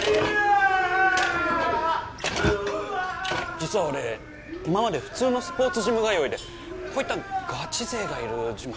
・実は俺今まで普通のスポーツジム通いでこういったガチ勢がいるジム